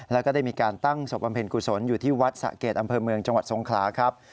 แล้วก็ได้มีการตั้งศพบำเพ็ญกุศลอยู่ที่วัดสะเกดอำเภอเมืองจังหวัดทรงขลาครับ